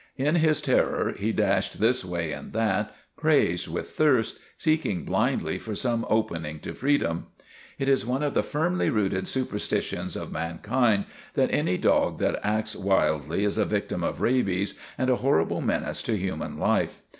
In his terror he dashed this way and that, crazed with thirst, seeking blindly for some opening to freedom. It is one of the firmly rooted superstitions of man kind that any dog that acts wildly is a victim of rabies and a horrible menace to human life.